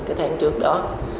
cái tháng trước đó